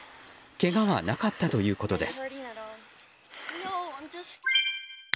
けがはなかったということです。